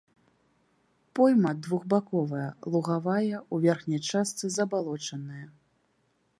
Пойма двухбаковая, лугавая, у верхняй частцы забалочаная.